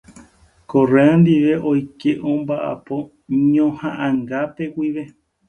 Correa ndive oike ombaʼapo ñohaʼãngápe guive.